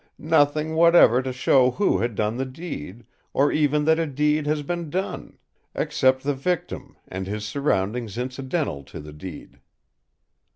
Nothing whatever to show who had done the deed, or even that a deed has been done; except the victim, and his surroundings incidental to the deed!